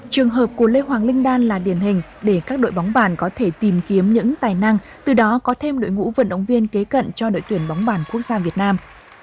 trường hợp của lê hoàng linh đan là điển hình để các đội bóng bàn có thể tìm kiếm những tài năng từ đó có thêm đội ngũ vận động viên kế cận cho đội tuyển bóng bàn quốc gia việt nam